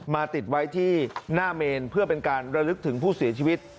ติดไว้ที่หน้าเมนเพื่อเป็นการระลึกถึงผู้เสียชีวิต